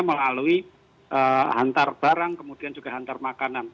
melalui hantar barang kemudian juga hantar makanan